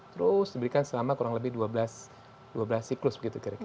terus diberikan selama kurang lebih dua belas siklus begitu kira kira